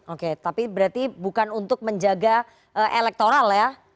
oke tapi berarti bukan untuk menjaga elektoral ya